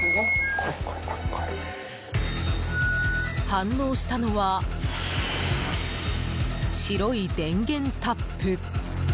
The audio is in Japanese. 反応したのは白い電源タップ。